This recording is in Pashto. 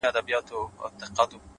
چي كله مخ ښكاره كړي ماته ځېرسي اې ه ـ